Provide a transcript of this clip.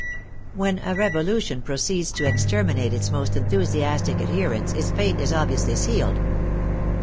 When a Revolution proceeds to exterminate its most enthusiastic adherents its fate is obviously sealed.